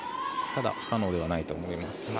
ただ、不可能ではないと思います。